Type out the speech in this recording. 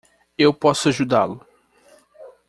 Eu posso ajudá-lo!